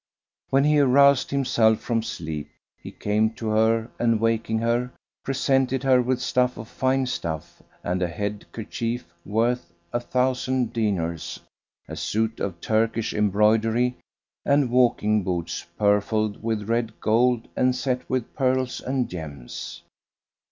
When he aroused himself from sleep he came to her and waking her, presented her with a shift of fine stuff and a head kerchief worth a thousand dinars, a suit of Turkish embroidery and walking boots purfled with red gold and set with pearls and gems.